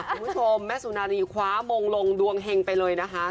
คุณผู้ชมแม่สุนารีคว้ามงลงดวงเฮงไปเลยนะคะ